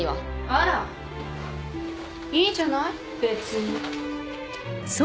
・あらいいじゃない別に。